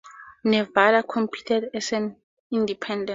Nevada competed as an independent.